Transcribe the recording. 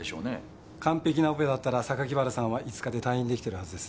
完璧なオペだったら榊原さんは５日で退院出来ているはずです。